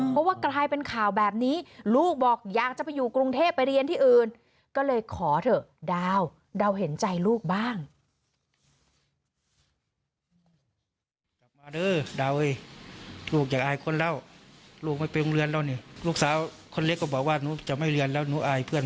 เพราะว่ากลายเป็นข่าวแบบนี้ลูกบอกอยากจะไปอยู่กรุงเทพฯไปเรียนที่อื่น